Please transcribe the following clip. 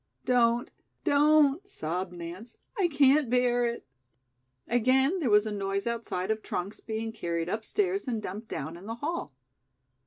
"Don't, don't," sobbed Nance. "I can't bear it." Again there was a noise outside of trunks being carried upstairs and dumped down in the hall.